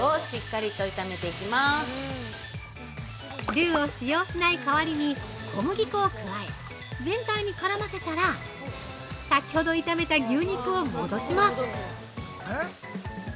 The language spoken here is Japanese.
◆ルーを使用しない代わりに小麦粉を加え全体に絡ませたら先ほど炒めた牛肉を戻します。